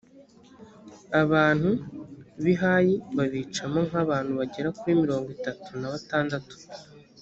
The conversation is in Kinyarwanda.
abantu b’i hayi babicamo nk’abantu bagera kuri mirongo itatu na batandatu.